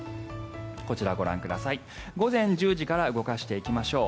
こちら、午前１０時から動かしていきましょう。